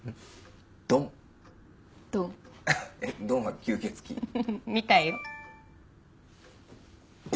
えっドンは吸血鬼？みたいよ。